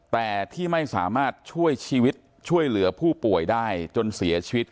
แต่ที่ไม่สามารถช่วยชีวิตช่วยเหลือผู้ป่วยได้จนเสียชีวิต